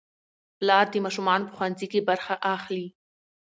پلار د ماشومانو په ښوونځي کې برخه اخلي